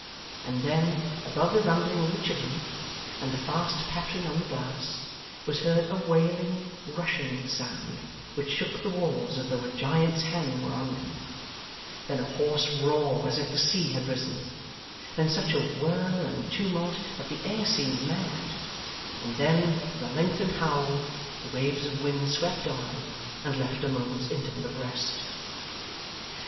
and then, above the rumbling in the chimney, and the fast pattering on the glass, was heard a wailing, rushing sound, which shook the walls as though a giant's hand were on them; then a hoarse roar as if the sea had risen; then such a whirl and tumult that the air seemed mad; and then, with a lengthened howl, the waves of wind swept on, and left a moment's interval of rest.